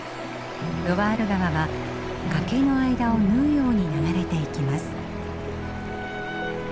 ロワール川は崖の間を縫うように流れていきます。